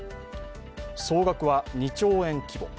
総額は２兆円規模。